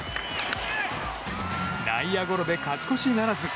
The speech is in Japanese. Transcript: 内野ゴロで勝ち越しならず。